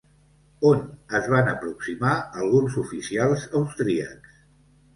On es van aproximar alguns oficials austríacs?